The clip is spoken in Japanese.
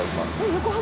横浜！